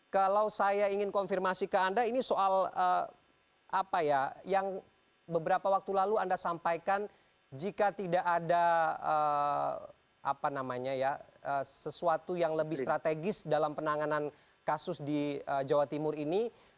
kalau saya ingin konfirmasi ke anda ini soal apa ya yang beberapa waktu lalu anda sampaikan jika tidak ada sesuatu yang lebih strategis dalam penanganan kasus di jawa timur ini